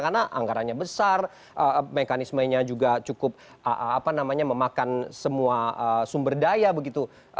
karena anggarannya besar mekanismenya juga cukup memakan semua sumber daya begitu